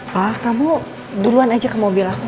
wah kamu duluan aja ke mobil aku